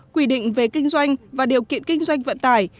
quy định về kinh doanh và điều kiện kinh doanh vận tải